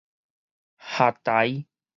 合臺